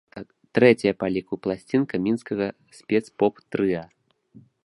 Трэцяя па ліку пласцінка мінскага спец-поп-трыа.